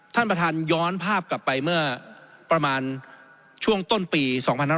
ท่านประธานย้อนภาพกลับไปเมื่อประมาณช่วงต้นปี๒๕๖๒